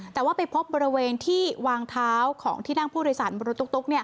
แต่ว่าไปพบบริเวณที่วางเท้าของที่นั่งผู้โดยสารบนรถตุ๊ก